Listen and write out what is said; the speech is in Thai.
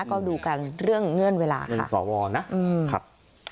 ก็ดูกันเรื่องเงื่อนเวลาค่ะเป็นฝวนนะอืมครับ